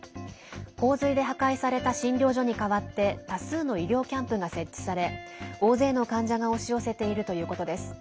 洪水で破壊された診療所に代わって多数の医療キャンプが設置され大勢の患者が押し寄せているということです。